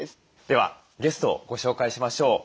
ではゲストをご紹介しましょう。